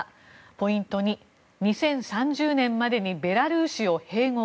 ポイント２、２０３０年までにベラルーシを併合。